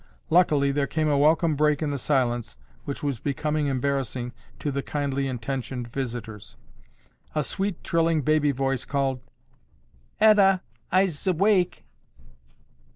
Luckily there came a welcome break in the silence which was becoming embarrassing to the kindly intentioned visitors. A sweet trilling baby voice called, "Etta, I'se 'wake."